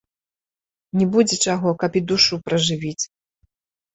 Не будзе чаго, каб і душу пражывіць.